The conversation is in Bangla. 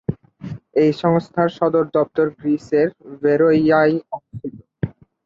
এই সংস্থার সদর দপ্তর গ্রিসের ভেরোইয়ায় অবস্থিত।